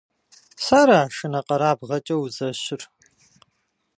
Сэра шынэкъэрабгъэкӀэ узэщыр?!